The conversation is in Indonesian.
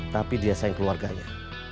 tapi dia sayang keluarganya